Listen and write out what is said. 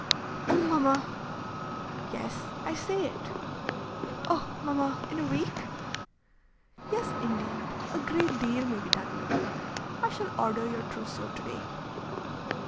"Oh! mamma!" "Yes, I say it." "Oh! mamma, in a week?" "Yes indeed. A great deal may be done in a week. I shall order your trousseau to day."